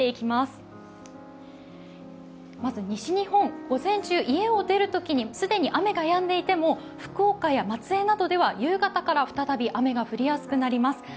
まず西日本、午前中、家を出るときに既に雨がやんでいても福岡や松江などでは夕方から再び雨が降りやすくなります。